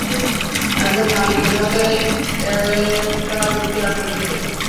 একজন মালিকের কারণে একটা চুক্তি আটকে রয়েছে।